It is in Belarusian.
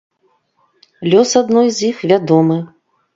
Лёс адной з іх вядомы.